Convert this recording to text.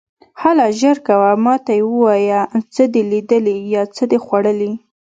هله ژر کوه، ما ته یې ووایه، څه دې لیدلي یا څه دې خوړلي.